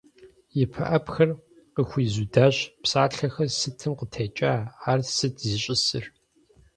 «И пыӀэпхэр къыхуизудащ» - псалъэхэр сытым къытекӀа, ар сыт зищӀысыр?